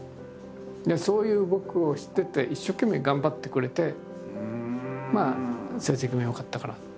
そういう僕を知ってて一生懸命頑張ってくれてまあ成績も良かったから。